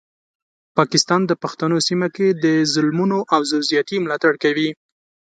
پاکستان د پښتنو سیمه کې د ظلمونو او زور زیاتي ملاتړ کوي.